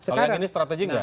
kalau yang ini strategik gak